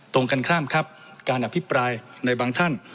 ตรงกันข้ามครับการอภิปรายในบางท่าน